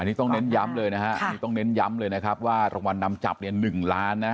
อันนี้ต้องเน้นย้ำเลยนะฮะนี่ต้องเน้นย้ำเลยนะครับว่ารางวัลนำจับเนี่ย๑ล้านนะ